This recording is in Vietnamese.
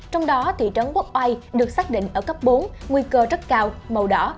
trong đó thị trấn quốc oai được xác định ở cấp bốn nguy cơ rất cao màu đỏ